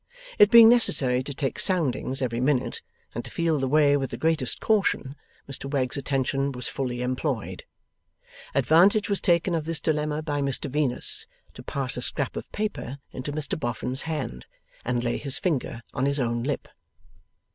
It being necessary to take soundings every minute, and to feel the way with the greatest caution, Mr Wegg's attention was fully employed. Advantage was taken of this dilemma by Mr Venus, to pass a scrap of paper into Mr Boffin's hand, and lay his finger on his own lip.